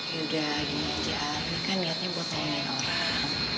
ya udah gini aja armi kan niatnya buat nolongin orang